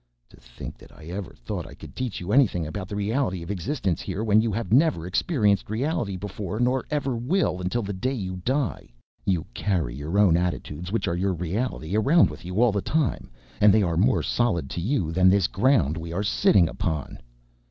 "To think that I ever thought I could teach you anything about the reality of existence here when you have never experienced reality before nor ever will until the day you die. You carry your own attitudes, which are your reality, around with you all the time, and they are more solid to you than this ground we are sitting upon."